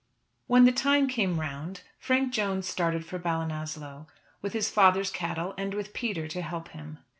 When the time came round, Frank Jones started for Ballinasloe, with his father's cattle and with Peter to help him.